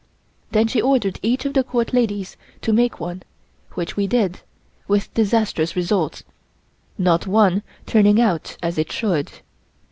Then she ordered each of the Court ladies to make one, which we did, with disastrous results, not one turning out as it should.